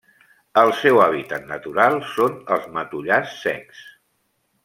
El seu hàbitat natural són els matollars secs.